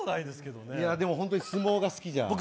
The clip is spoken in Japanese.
でも相撲が好きじゃん。